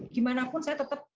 gimanapun saya tetap mencari